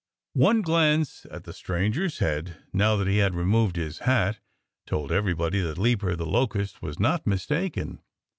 One glance at the stranger's head now that he had removed his hat told everybody that Leaper the Locust was not mistaken.